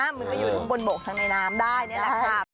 มันก็อยู่บนโบกทั้งในน้ำได้นี่แหละครับ